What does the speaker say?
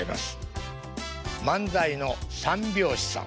漫才の三拍子さん。